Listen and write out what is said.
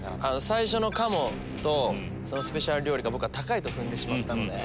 最初の鴨とスペシャル料理が高いと踏んでしまったので。